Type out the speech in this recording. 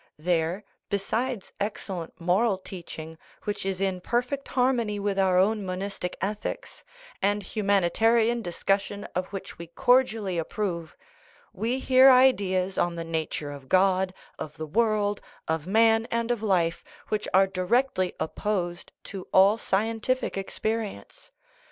There, besides ex cellent moral teaching, which is in perfect harmony with our own monistic ethics, and humanitarian discussion of which we cordially approve, we hear ideas on the nature of God, of the world, of man, and of life which are directly opposed to all scientific experience.